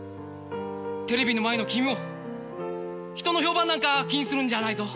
テレビの前の君も人の評判なんか気にするんじゃないぞ。